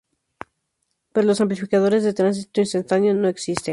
Pero los amplificadores de tránsito instantáneo no existen.